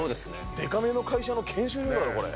でかめの会社の研修だよ、これ。